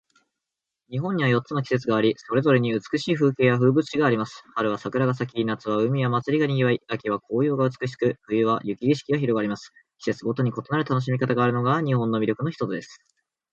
日本には四つの季節があり、それぞれに美しい風景や風物詩があります。春は桜が咲き、夏は海や祭りが賑わい、秋は紅葉が美しく、冬は雪景色が広がります。季節ごとに異なる楽しみ方があるのが、日本の魅力の一つです。